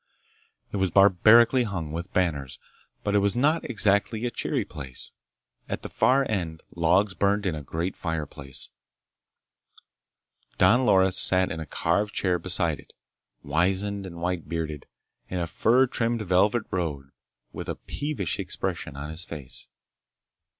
It was barbarically hung with banners, but it was not exactly a cheery place. At the far end logs burned in a great fireplace. Don Loris sat in a carved chair beside it; wizened and white bearded, in a fur trimmed velvet robe, with a peevish expression on his face.